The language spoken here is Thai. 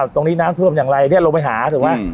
ตรงนี้น้ำทวมอย่างไรเนี้ยเราไปหาถูกมั้ยอืม